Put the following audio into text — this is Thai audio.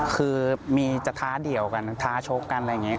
คือมีจะท้าเดี่ยวกันท้าชกกันอะไรอย่างนี้